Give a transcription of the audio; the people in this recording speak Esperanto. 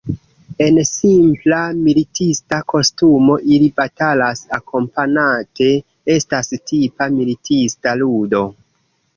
En simpla militista kostumo ili batalas akompanate estas tipa militista ludo.